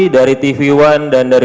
dari tv one dan dari